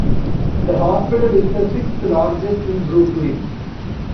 The hospital is the sixth largest in Brooklyn.